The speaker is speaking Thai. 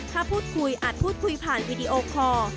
ถ้าพูดคุยอาจพูดคุยผ่านวีดีโอคอร์